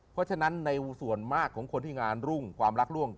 เพราะฉะนั้นในส่วนมากของคนที่งานรุ่งความรักล่วง